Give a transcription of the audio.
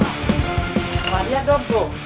nah lihat dong bro